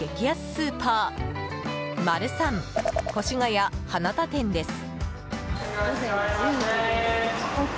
スーパーマルサン越谷花田店です。